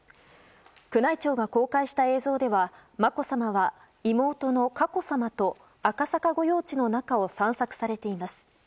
宮内庁が公開した映像ではまこさまは妹の佳子さまと赤坂御用地の中を散策されています。